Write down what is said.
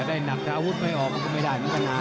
ได้หนักแต่อาวุธไม่ออกก็ไม่ได้มันก็หนัก